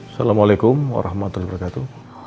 assalamualaikum warahmatullah wabarakatuh